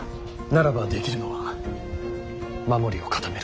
ならばできるのは守りを固めることのみ。